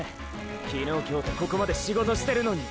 昨日今日とここまで仕事してるのに！！